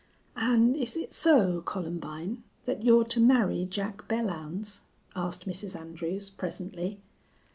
"An' is it so, Columbine, that you're to marry Jack Belllounds?" asked Mrs. Andrews, presently.